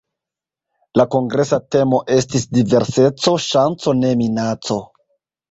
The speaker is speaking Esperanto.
La kongresa temo estis "Diverseco: ŝanco, ne minaco".